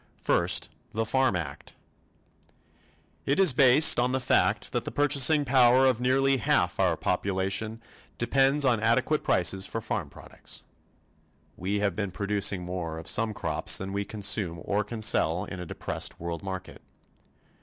First the Farm Act: It is based on the fact that the purchasing power of nearly half our population depends on adequate prices for farm products. We have been producing more of some crops than we consume or can sell in a depressed world market.